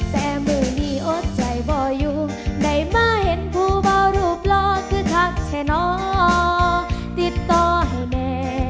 แต่มือนี้อดใจบ่อยู่ได้มาเห็นผู้บ่รูปหล่อคือทักแค่นอติดต่อให้แม่